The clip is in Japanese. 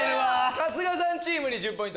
春日さんチームに１０ポイント。